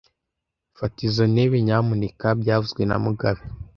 Fata izoi ntebe, nyamuneka byavuzwe na mugabe